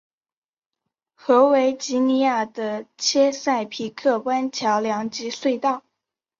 和维吉尼亚的切塞皮克湾桥梁及隧道。